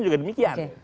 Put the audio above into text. dan juga demikian